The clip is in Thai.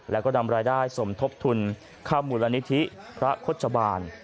แล้วก็นำรายได้สมทบทุนเข้ามูลนิธิพระโฆษบาล